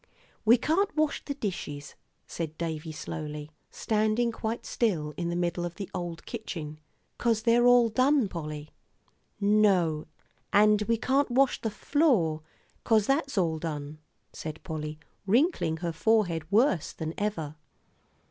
"We can't wash the dishes," said Davie, slowly, standing quite still in the middle of the old kitchen, "'cause they're all done, Polly." "No, and we can't wash the floor, 'cause that's all done," said Polly, wrinkling her forehead worse than ever.